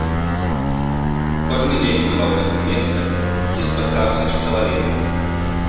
Кожны дзень бываў на тым месцы, дзе спаткаўся з чалавекам.